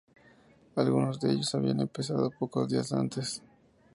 Algunos de ellos habían empezado pocos días antes.